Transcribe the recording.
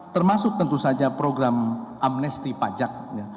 termasuk tentu saja program amnestik